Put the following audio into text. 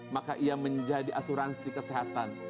maka ia menjadi asuransi kesehatan